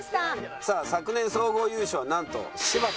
さあ昨年総合優勝はなんと柴田。